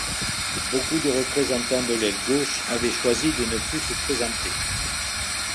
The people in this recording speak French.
Beaucoup de représentants de l’aile gauche avaient choisi de ne plus se présenter.